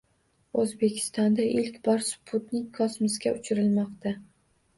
O'zbekistonda ilk bor sputnik kosmosga uchirilmoqda.